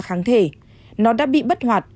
kháng thể nó đã bị bất hoạt